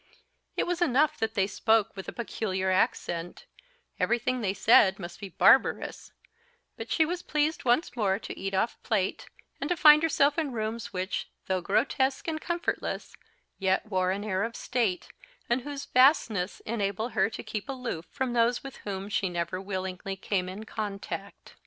It was enough that they spoke with a peculiar accent everything they said must be barbarous; but she was pleased once more to eat off plate, and to find herself in rooms which, though grotesque and comfortless, yet wore an air of state, and whose vastness enabled her to keep aloof from those with whom she never willingly came in contact.